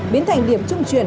biến thành điểm trung truyền